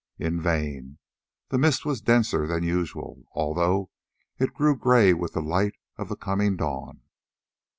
In vain; the mist was denser than usual, although it grew grey with the light of the coming dawn.